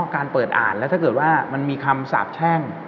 การเปิดอ่านแล้วถ้าเกิดว่ามันมีคำสาบแช่ง